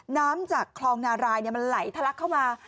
น้ำจากคลองนารายมันไหลทะลักเข้ามา